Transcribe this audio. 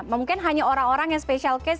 mungkin hanya orang orang yang special case